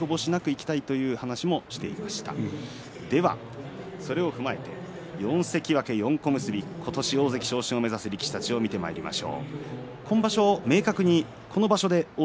では、それを踏まえて４関脇４小結、今年大関昇進を目指す力士たちを見てみましょう。